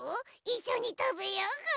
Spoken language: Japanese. いっしょにたべようぐ。